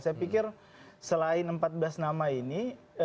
saya pikir selain empat belas nama ini